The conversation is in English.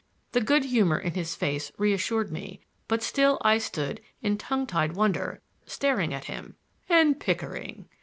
The good humor in his face reassured me; but still I stood in tongue tied wonder, staring at him. "And Pickering!"